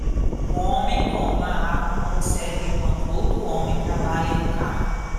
Um homem com uma arma observa enquanto outro homem trabalha em um carro.